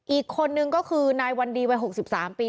อีกคนนึงก็คือนายวันดีวัย๖๓ปี